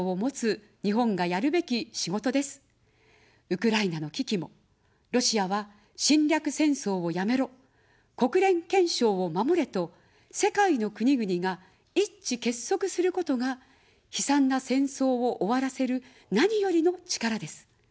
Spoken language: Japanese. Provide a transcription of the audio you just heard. ウクライナの危機も「ロシアは侵略戦争をやめろ」、「国連憲章を守れ」と世界の国々が一致結束することが、悲惨な戦争を終わらせる何よりの力です。